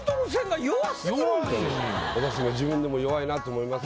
そう私も自分でも弱いなと思います。